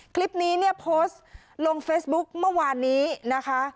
คลิปนี้เนี่ยโพสต์ลงเฟซบุ๊คเมื่อวานนี้นะคะ